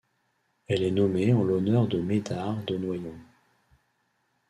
Elle est nommée en l'honneur de Médard de Noyon.